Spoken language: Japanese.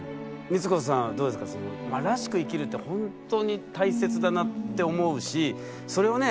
生きるってほんとに大切だなって思うしそれをね